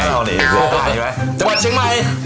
จังหวัดเชียงใหม่